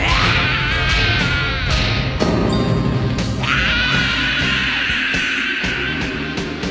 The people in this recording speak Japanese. ああ。